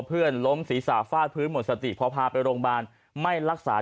ล้มศีรษะฟาดพื้นหมดสติพอพาไปโรงพยาบาลไม่รักษา